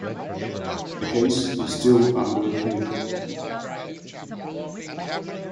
The case is still under appeal.